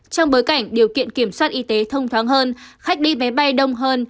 trong bối cảnh điều kiện kiểm soát y tế thông thoáng hơn khách đi vé bay đông hơn